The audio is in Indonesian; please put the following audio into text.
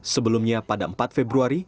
sebelumnya pada empat februari